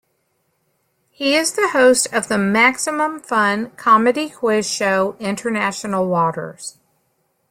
He is the host of the Maximum Fun comedy quiz show International Waters.